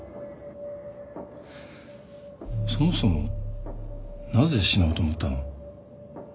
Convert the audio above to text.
そもそもなぜ死のうと思ったの？